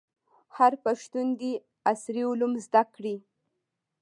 هر پښتون دي عصري علوم زده کړي.